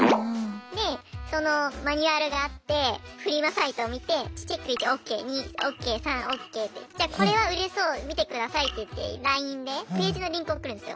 でそのマニュアルがあってフリマサイトを見てチェック１ＯＫ２ＯＫ３ＯＫって。じゃこれは売れそう見てくださいっていってＬＩＮＥでページのリンク送るんですよ。